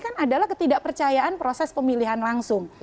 adalah ketidak percayaan proses pemilihan langsung